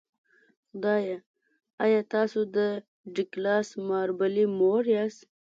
خدایه ایا تاسو د ډګلاس مابرلي مور یاست